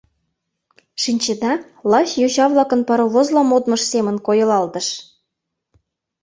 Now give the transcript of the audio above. Шинчеда, лач йоча-влакын паровозла модмышт семын койылалтыш.